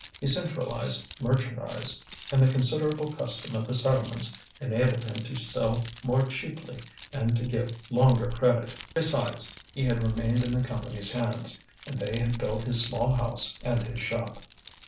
He centralized merchandise, and the considerable custom of the settlements enabled him to sell more cheaply and to give longer credit. Besides, he had remained in the Company's hands, and they had built his small house and his shop.